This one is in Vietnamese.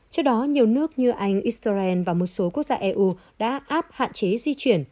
trước đó nhiều nước như anh israel và một số quốc gia eu đã áp hạn chế di chuyển